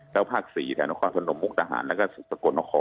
แล้วภาค๔แถวธนความสนมมุกทหารแล้วก็ศักดิ์สกลนคร